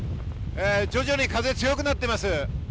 徐々に風が強くなっています。